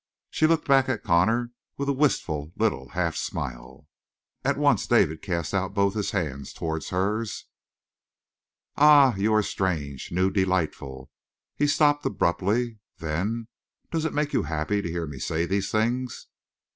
She looked back at Connor with a wistful little half smile. At once David cast out both his hands toward hers. "Ah, you are strange, new, delightful!" He stopped abruptly. Then: "Does it make you happy to hear me say these things?"